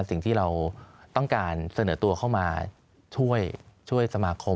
สิ่งที่เราต้องการเสนอตัวเข้ามาช่วยสมาคม